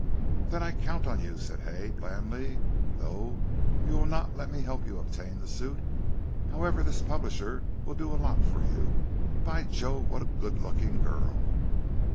"Then I count on you," said Hay, blandly, "though you will not let me help you to obtain the suit. However, this publisher will do a lot for you. By Jove, what a good looking girl."